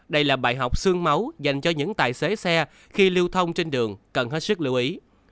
đây là bài học sương máu dành cho những tài xế xe khi lưu thông trên đường cần hết sức lưu ý